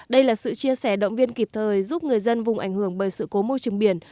đây là sự chia sẻ động viên kịp thời giúp người dân vùng ảnh hưởng bởi sự cố môi trường biển